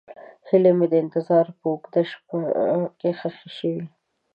هیلې مې د انتظار په اوږده شپه کې ښخې شوې.